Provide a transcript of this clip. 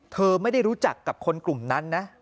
เธอไม่ได้รู้จักกับคนกลุ่มนั้นนะ